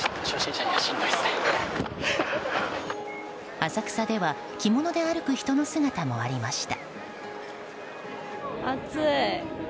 浅草では、着物で歩く人の姿もありました。